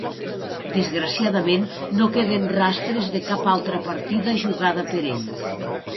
Desgraciadament no queden rastres de cap altra partida jugada per ell.